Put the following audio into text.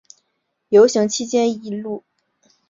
游行期间一些路边的日本汽车遭到砸毁。